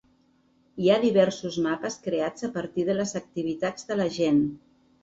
Hi ha diversos mapes creats a partir de les activitats de la gent.